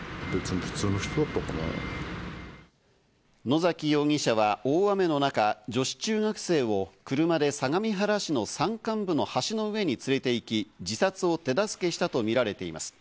野崎容疑者は大雨の中、女子中学生を車で相模原市の山間部の橋の上に連れて行き、自殺を手助けしたとみられています。